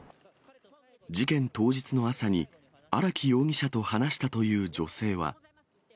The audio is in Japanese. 事件当日の朝に荒木容疑者と話したという女性は。